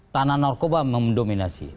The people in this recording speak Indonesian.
tahanan narkoba mendominasi